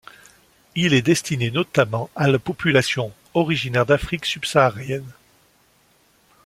Il est destiné notamment à la population originaire d'Afrique subsaharienne.